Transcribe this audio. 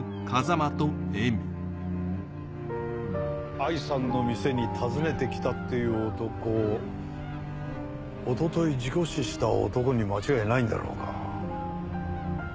藍さんの店に訪ねてきたっていう男おととい事故死した男に間違いないんだろうか。